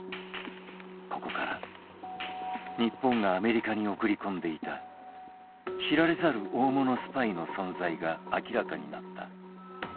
ここから日本がアメリカに送り込んでいた知られざる大物スパイの存在が明らかになった。